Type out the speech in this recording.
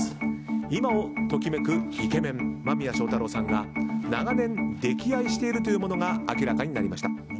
今を時めくイケメン間宮祥太朗さんが長年溺愛しているというものが明らかになりました。